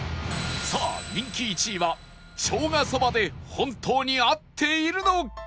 さあ人気１位はしょうがそばで本当に合っているのか？